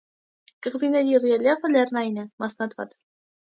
Կղզիների ռելիեֆը լեռնային է, մասնատված։